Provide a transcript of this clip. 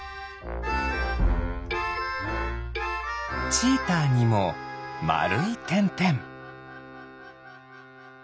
チーターにもまるいてんてん。